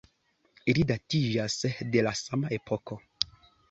Ili datiĝas de la sama epoko.